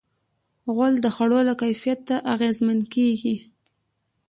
غول د خوړو له کیفیت اغېزمن کېږي.